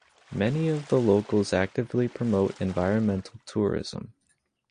Many of the locals actively promote environmental tourism.